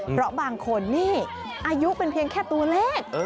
เพราะบางคนนี่อายุเป็นเพียงแค่ตัวเลข